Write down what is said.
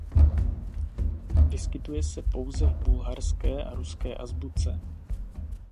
Vyskytuje se pouze v bulharské a ruské azbuce.